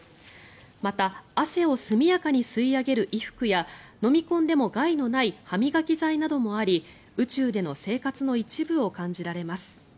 また、汗を速やかに吸い上げる衣服や飲み込んでも害のない歯磨き剤などもあり宇宙での生活の一部を感じられます。